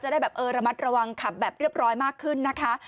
จะได้ระมัดระวังแบบเรียบร้อยมากขึ้นนะคะ